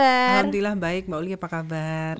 alhamdulillah baik mbak uli apa kabar